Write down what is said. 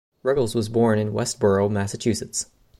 Ruggles was born in Westborough, Massachusetts.